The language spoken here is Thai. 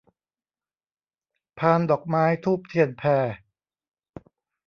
พานดอกไม้ธูปเทียนแพ